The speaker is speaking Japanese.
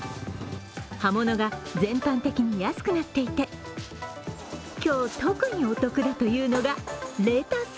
葉物が全般的に安くなっていて今日、特にお得だというのがレタス。